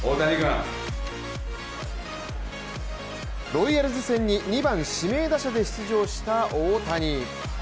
ロイヤルズ戦に２番・指名打者で出場した大谷。